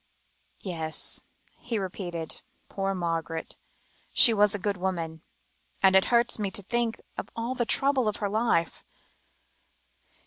"Yes," he repeated, "poor Margaret. She was a good woman, and it hurts me to think of all the trouble of her life.